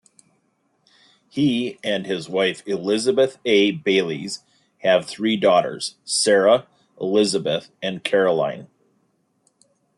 He and his wife Elizabeth A. Baylies have three daughters: Sarah, Elizabeth and Caroline.